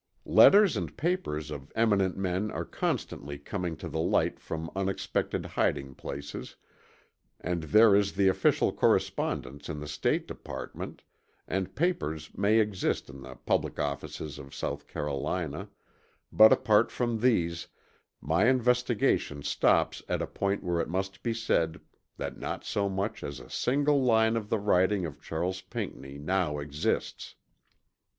Letters and papers of eminent men are constantly coming to the light from unexpected hiding places and there is the official correspondence in the State Department and papers may exist in the public offices of South Carolina, but apart from these, my investigation stops at a point where it must be said that not so much as a single line of the writing of Charles Pinckney now exists.